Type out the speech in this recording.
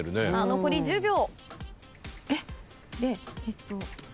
残り１０秒。